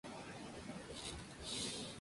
Michael's Preparatory School en Silverado.